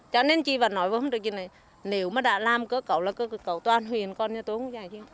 cho nên chỉ vào nói với ông trưởng chuyên này nếu mà đã làm cơ cầu là cơ cầu toàn huyền con như tôi không dạy gì